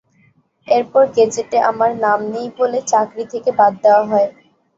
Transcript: এরপর গেজেটে আমার নাম নেই বলে চাকরি থেকে বাদ দেওয়া হয়।